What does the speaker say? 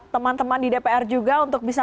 teman teman di dpr juga untuk bisa